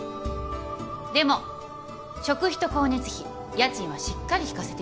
でも食費と光熱費家賃はしっかり引かせていただくけど。